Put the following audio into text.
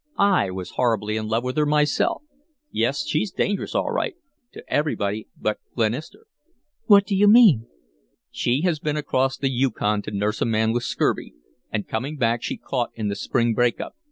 I was horribly in love with her myself. Yes, she's dangerous, all right to everybody but Glenister." "What do you mean?" "She had been across the Yukon to nurse a man with scurvy, and coming back she was caught in the spring break up.